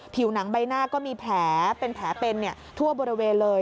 ผิวหนังใบหน้าก็มีแผลเป็นแผลเป็นทั่วบริเวณเลย